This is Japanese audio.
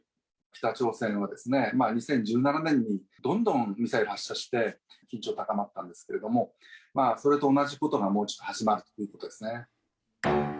北朝鮮は２０１７年にどんどんミサイルを発射して、緊張が高まったんですけれども、それと同じことがもう始まるということですね。